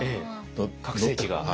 拡声器が。